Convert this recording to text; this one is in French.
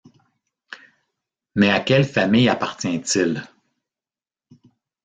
Mais à quelle famille appartient-il?